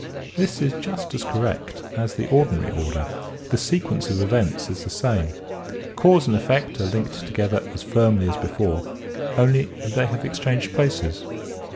This is just as correct as the ordinary order. The sequence of events is the same. Cause and effect are linked together as firmly as before, only they have ex changed places.